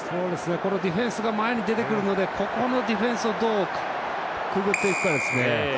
ディフェンスが前に出てくるのでここのディフェンスをどうくぐっていくかですね。